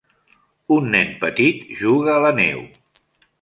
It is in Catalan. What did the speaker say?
Un nen petit juga a la neu.